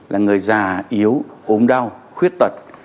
là người già yếu ốm đau khuyết tật